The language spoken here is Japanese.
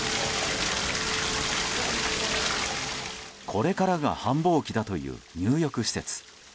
これからが繁忙期だという入浴施設。